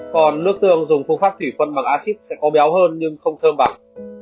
còn nước tương dùng phương pháp thủy phân bằng acid sẽ có béo hơn nhưng không thơm vặt